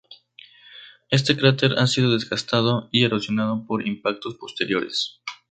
Este cráter ha sido desgastado y erosionado por impactos posteriores.